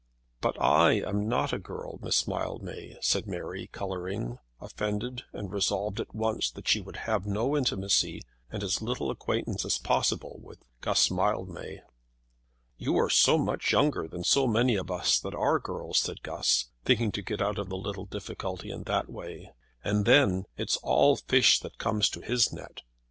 "But I am not a girl, Miss Mildmay," said Mary, colouring, offended and resolved at once that she would have no intimacy and as little acquaintance as possible with Guss Mildmay. "You are so much younger than so many of us that are girls," said Guss, thinking to get out of the little difficulty in that way. "And then it's all fish that comes to his net."